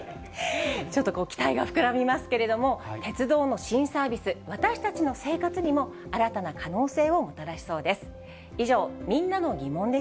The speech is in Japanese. ちょっと期待が膨らみますけれども、鉄道の新サービス、私たちの生活にも新たな可能性をもたらしそうです。